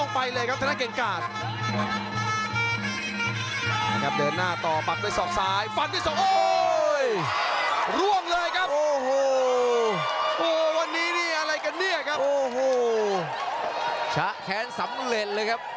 นี่แหละครับไม่มีอะไรที่แน่นอน